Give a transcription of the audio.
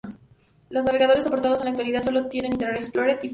Los navegadores soportados en la actualidad son Internet Explorer y FireFox.